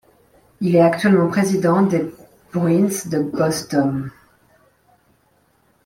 Il est actuellement président des Bruins de Boston.